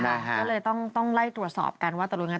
ใช่ฮะแล้วเลยต้องไล่ตรวจสอบการว่าตะลุยยังไง